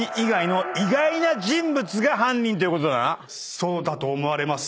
そうだと思われます。